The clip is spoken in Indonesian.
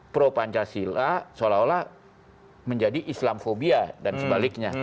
pro pancasila seolah olah menjadi islamfobia dan sebaliknya